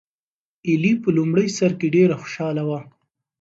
ایلي په لومړي سر کې ډېره خوشحاله وه.